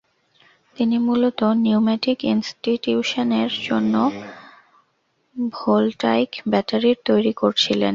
তিনি মূলত নিউমেটিক ইনস্টিটিউশানের জন্য ভোল্টাইক ব্যাটারির তৈরী করছিলেন।